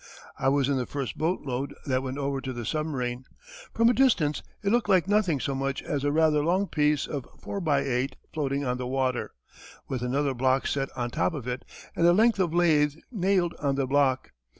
I was in the first boatload that went over to the submarine. From a distance it looked like nothing so much as a rather long piece of 4×8 floating on the water, with another block set on top of it and a length of lath nailed on the block.